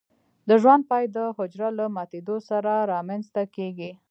د ژوند پای د حجره له ماتیدو سره رامینځته کیږي.